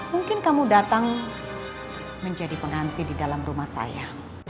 mungkin kamu datang menjadi penganti di dalam rumah saya